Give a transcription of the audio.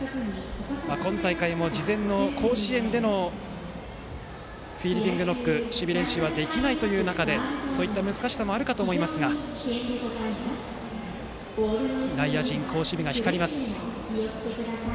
今大会も、事前の甲子園でのフィールディングノック守備練習はできない中でそういった難しさもあるかと思いますが内野陣、好守備が光ります。